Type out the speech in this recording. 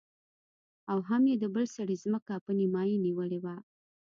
او هم يې د بل سړي ځمکه په نيمايي نيولې وه.